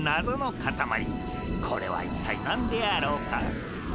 これは一体なんであろうか？